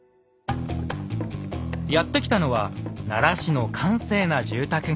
やって来たのは奈良市の閑静な住宅街。